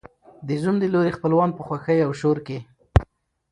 د زوم د لوري خپلوان په خوښیو او شور کې